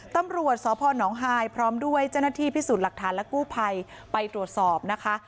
ตำรวจสพนฮายพร้อมด้วยเจ้าหน้าที่พิสูจน์หลักฐานและกู้ภัยไปตรวจสอบนะคะ